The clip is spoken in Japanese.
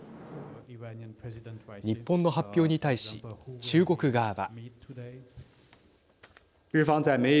日本の発表に対し中国側は。